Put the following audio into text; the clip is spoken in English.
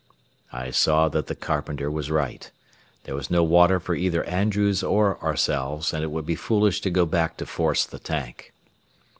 I saw that the carpenter was right. There was no water for either Andrews or ourselves, and it would be foolish to go back to force the tank.